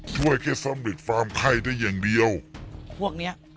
ช่วยแค่สำเร็จความไข้ได้อย่างบ่งที่นี้ฮ๊วกเนี้ย